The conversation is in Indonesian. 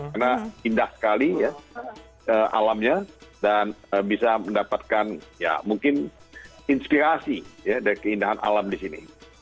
karena indah sekali ya alamnya dan bisa mendapatkan ya mungkin inspirasi ya dari keindahan alam di sini